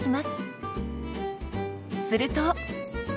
すると。